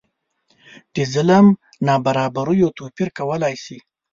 د ظلم نابرابریو توپیر کولای شي.